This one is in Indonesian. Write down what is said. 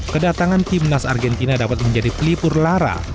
kedatangan timnas argentina dapat menjadi pelipur lara